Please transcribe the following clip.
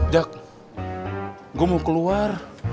jak gue mau keluar